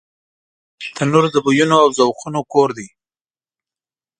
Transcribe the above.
تنور د بویونو او ذوقونو کور دی